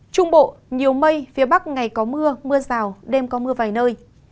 trung bộ nhiều mây phía bắc ngày có mưa mưa rào đêm có mưa vài nơi